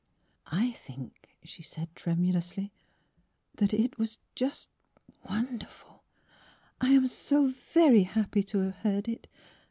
"I think," she said tremulously, '' that it was just — wonderful! I — I am so very happy to have heard it.